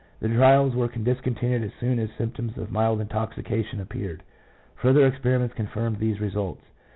The trials were discontinued as soon as symptoms of mild intoxication appeared. Further experiments confirmed these results.